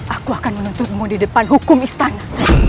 aku akan menuntutmu di depan hukum istana